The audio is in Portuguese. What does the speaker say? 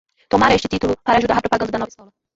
Tomara este título para ajudar a propaganda da nova escola